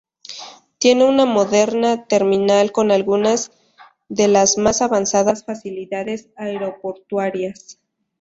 Tiene una moderna terminal con algunas de las más avanzadas facilidades aeroportuarias.